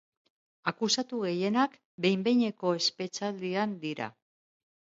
Akusatu gehienak behin-behineko espetxealdian dira.